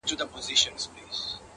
• سړي وویل زما هغه ورځ یادیږي ,